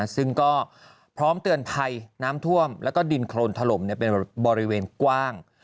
ซึ่งก็พร้อมเตือนภัยน้ำท่วมแล้วก็ดินโครนถล่มเป็นบริเวณกว้าง